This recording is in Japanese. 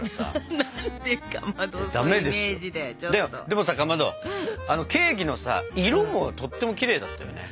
でもさかまどケーキのさ色もとってもきれいだったよね。